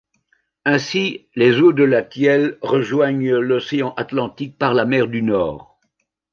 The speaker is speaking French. Ainsi, les eaux de la Thièle rejoignent l'océan Atlantique par la mer du Nord.